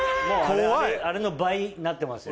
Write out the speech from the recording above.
あれの倍になってますよ。